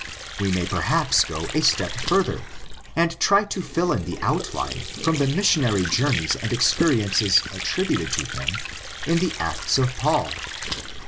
We may perhaps go a step further, and try to fill in the outline from the missionary journeys and experi ences attributed to him in the Acts of Paul.